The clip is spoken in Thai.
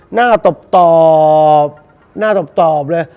หน้าตบตอบเลย